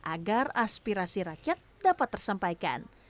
agar aspirasi rakyat dapat tersampaikan